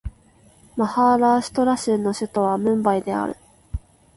マハーラーシュトラ州の州都はムンバイである